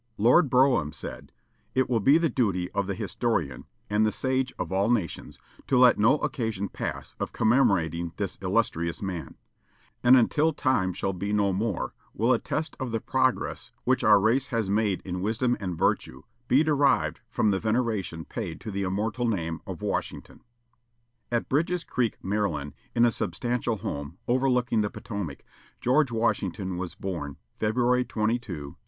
Lord Brougham said: "It will be the duty of the historian, and the sage of all nations, to let no occasion pass of commemorating this illustrious man; and until time shall be no more will a test of the progress which our race has made in wisdom and virtue be derived from the veneration paid to the immortal name of Washington." At Bridge's Creek, Maryland, in a substantial home, overlooking the Potomac, George Washington was born, February 22, 1732.